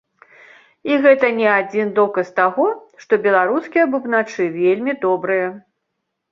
І гэта не адзін доказ таго, што беларускія бубначы вельмі добрыя.